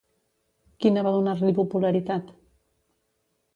Quina va donar-li popularitat?